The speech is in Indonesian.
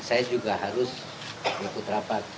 saya juga harus ikut rapat